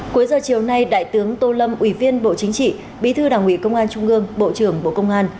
cuối giờ chiều nay đại tướng tô lâm ủy viên bộ chính trị bí thư đảng ủy công an trung ương bộ trưởng bộ công an